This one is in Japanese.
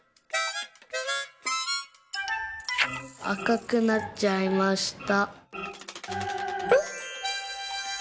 「あかくなっちゃいました」。